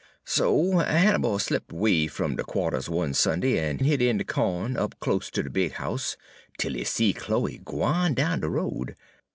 "So Hannibal slipped 'way fum de qua'ters one Sunday en hid in de co'n up close ter de big house, 'tel he see Chloe gwine down de road.